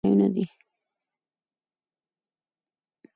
مېلې د ځوانانو د استعدادو د څرګندولو ځایونه دي.